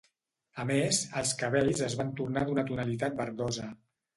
A més, els cabells es van tornar d'una tonalitat verdosa.